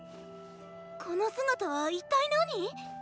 この姿は一体何？